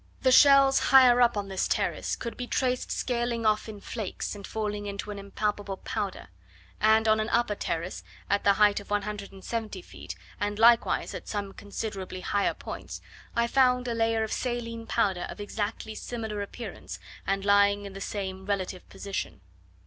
The shells, higher up on this terrace could be traced scaling off in flakes, and falling into an impalpable powder; and on an upper terrace, at the height of 170 feet, and likewise at some considerably higher points, I found a layer of saline powder of exactly similar appearance, and lying in the same relative position.